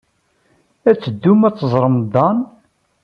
Ad teddum ad teẓrem Dan.